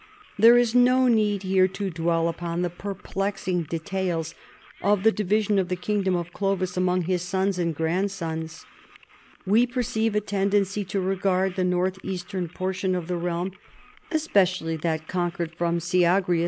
There is no need here to dwell upon the perplexing details of the division of the kingdom of Clovis among his sons and grandsons. We perceive a tendency to regard the north eastern portion of the realm, es pecially that conquered from Syagrius, * as the true * Syagrius, king of the Burgundian.